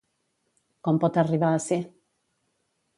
Com pot arribar a ser?